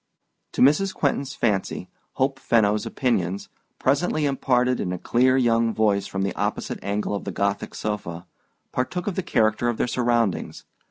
To Mrs. Quentin's fancy, Hope Fenno's opinions, presently imparted in a clear young voice from the opposite angle of the Gothic sofa, partook of the character of their surroundings.